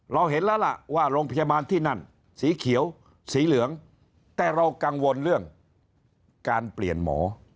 เราเห็นแล้วล่ะว่าโรงพยาบาลที่นั่นสีเขียวสีเหลืองแต่เรากังวลเรื่องการเปลี่ยนหมอ